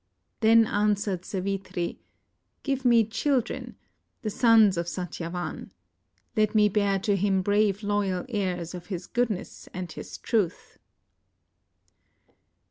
Then answered Savitri, " Give me children — the sons of Satyavan. Let me bear to him brave, loyal heirs of his goodness and his truth."